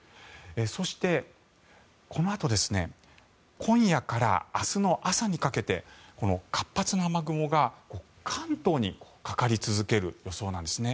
そして、このあと今夜から明日の朝にかけてこの活発な雨雲が関東にかかり続ける予想なんですね。